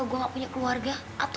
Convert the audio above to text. apa gue gak punya keluarga